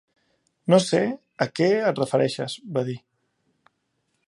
"No sé a què et refereixes", va dir.